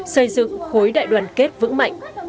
xây dựng khối đại đoàn kết vững mạnh